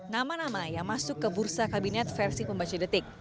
nama nama yang masuk ke bursa kabinet versi pembaca detik